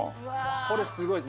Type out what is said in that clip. これすごいです。